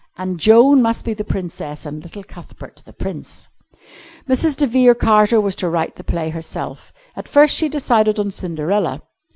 And Joan must be the Princess and little Cuthbert the Prince. Mrs. de Vere Carter was to write the play herself. At first she decided on Cinderella.